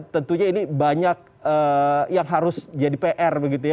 tentunya ini banyak yang harus jadi pr begitu ya